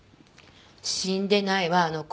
死んでないわあの子。